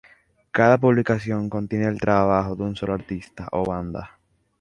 Cada publicación contiene el trabajo de un solo artista o banda.